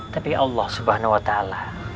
tapi allah subhanahu wa ta'ala